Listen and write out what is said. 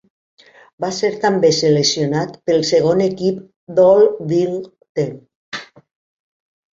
Va ser també seleccionat pel segon equip d'All-Big Ten.